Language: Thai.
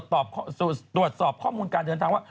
ตรวจสอบข้อมูลการเดินทางว่า